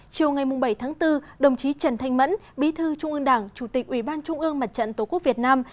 chiều ngày bảy tháng bốn đồng chí trần thanh mẫn bí thư trung ương đảng chủ tịch ủy ban trung ương mặt trận tổ quốc việt nam